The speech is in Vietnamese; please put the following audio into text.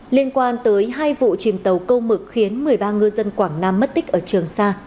liên quan tới hai vụ chìm tàu câu mực khiến một mươi ba ngư dân quảng nam mất tích ở trường sa